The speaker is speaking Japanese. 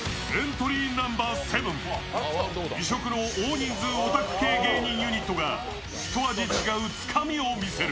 異色の大人数ヲタク系芸人ユニットが一味違うつかみを見せる